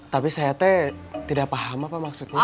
tapi saya teh tidak paham apa maksudnya